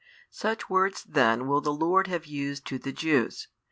Such words then will the Lord have used to the Jews.